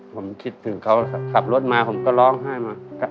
ผมคิดถึงเขาขับรถมาผมก็ร้องไห้มา